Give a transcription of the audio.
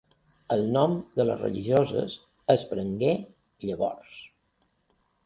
El nom de les religioses es prengué llavors.